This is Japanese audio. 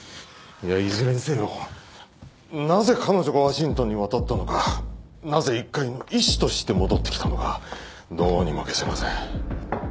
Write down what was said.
いやいずれにせよなぜ彼女がワシントンに渡ったのかなぜ一介の医師として戻ってきたのかどうにも解せません。